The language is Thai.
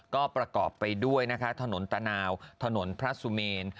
ก็ประกอบไปด้วยนะคะถนนตะนาวถนนพระสุเมน